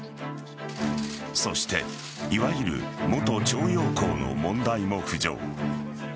そしていわゆる元徴用工の問題も浮上。